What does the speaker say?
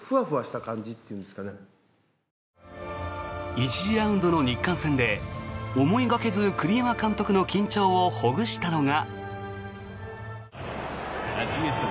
１次ラウンドの日韓戦で思いがけず栗山監督の緊張をほぐしたのが。